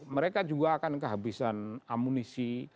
mereka juga akan kehabisan amunisi